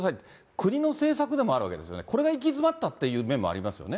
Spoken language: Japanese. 国の政策でもあるわけですよね、これが行き詰ったっていう面もありますよね。